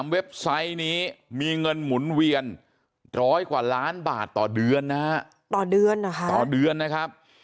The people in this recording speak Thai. เว็บไซต์นี้มีเงินหมุนเวียนร้อยกว่าล้านบาทต่อเดือนนะฮะต่อเดือนเหรอคะต่อเดือนนะครับ